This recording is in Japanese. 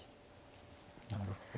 なるほど。